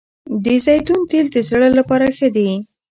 د زیتون تېل د زړه لپاره ښه دي